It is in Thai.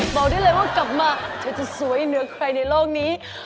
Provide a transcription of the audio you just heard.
บอกได้เลยว่ากลับมาเธอจะสวยเหนือใครในโลกนี้